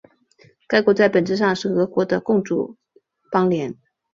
该国在本质上是俄国的共主邦联。